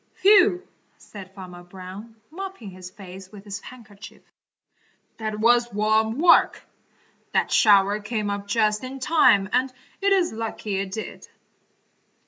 "Phew!" said Farmer Brown, mopping his face with his handkerchief, "that was warm work! That shower came up just in time and it is lucky it did."